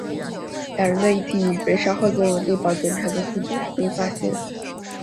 两人的遗体被稍后进入地堡检查的苏军士兵发现。